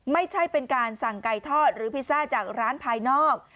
ไม่ใช่เป็นการสั่งไก่ทอดหรือพิซซ่าจากร้านภายนอก